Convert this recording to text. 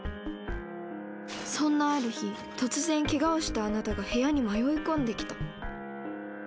そんなある日突然ケガをしたあなたが部屋に迷い込んできた。